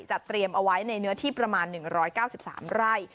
เตรียมเอาไว้ในเนื้อที่ประมาณ๑๙๓ไร่